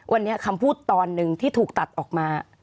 วันนี้คำพูดตอนหนึ่งที่ถูกตัดออกมา